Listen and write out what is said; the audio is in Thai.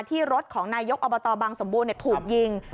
ที่รถของนายกอบตบังสมบูรณ์ถูกยิง